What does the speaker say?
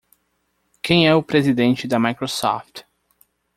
Quem é o presidente da Microsoft?